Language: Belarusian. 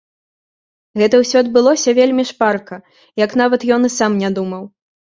Гэта ўсё адбылося вельмі шпарка, як нават ён і сам не думаў.